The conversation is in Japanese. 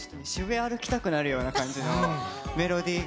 歩きたくなるような感じのメロディーが。